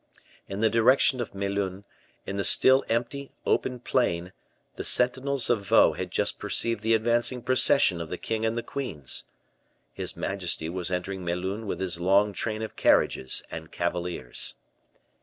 In the direction of Melun, in the still empty, open plain, the sentinels of Vaux had just perceived the advancing procession of the king and the queens. His majesty was entering Melun with his long train of carriages and cavaliers.